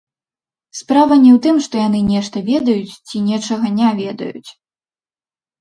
Справа не ў тым, што яны нешта ведаюць ці нечага не ведаюць.